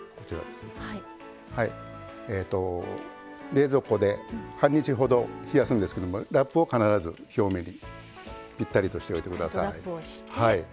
冷蔵庫で半日ほど冷やすんですけどもラップを必ず表面にぴったりとしておいてください。